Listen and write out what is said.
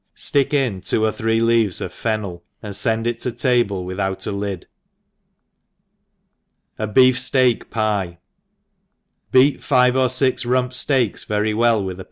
ftick fn two ox three Iteves of fenneU and fend it to table, without a lid, ^Beif Steak Pyk* BEAT five or fix rump fteaks very well with ^.